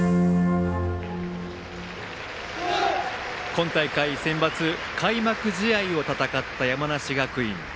今大会センバツ開幕試合を戦った山梨学院。